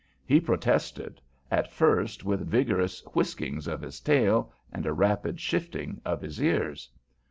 He protested, at first, with vigorous whiskings of his tail and a rapid shifting of his ears.